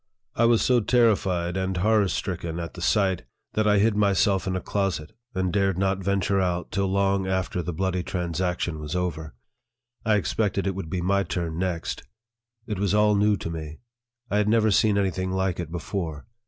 I was so terrified and horror stricken at the 8 NARRATIVE OF THE sight, that I hid myself in a closet, and dared not venture out till long after the bloody transaction was over. I expected it would be my turn next, It was all new to me. I had never seen any thing like it before.